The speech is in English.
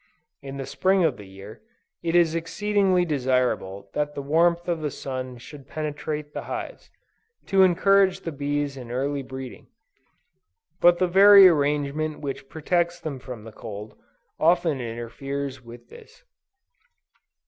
In the Spring of the year, it is exceedingly desirable that the warmth of the sun should penetrate the hives, to encourage the bees in early breeding; but the very arrangement which protects them from cold, often interferes with this.